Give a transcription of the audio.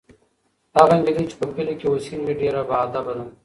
هغه نجلۍ چې په کلي کې اوسیږي ډېره باادبه ده.